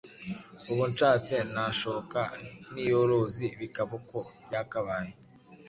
Ubu nshatse nashoka n’iy’uruzi bikaba uko byakabaye!